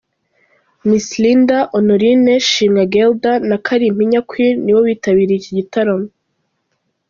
Miss Linda, Honorine, Shimwa Guelda na Kalimpinya Queen nibo bitabiriye iki gitaramo.